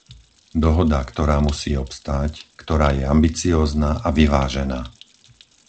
Dohoda, ktorá musí obstáť, ktorá je ambiciózna a vyvážená.